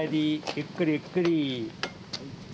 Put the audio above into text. ゆっくりゆっくり。